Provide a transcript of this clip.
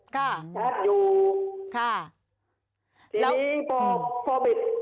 ค่ะค่ะค่ะแล้วชัดอยู่